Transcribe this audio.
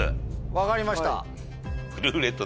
分かりました。